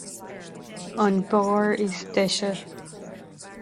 An beár is deise.